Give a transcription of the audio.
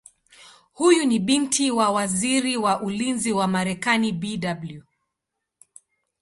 Huyu ni binti wa Waziri wa Ulinzi wa Marekani Bw.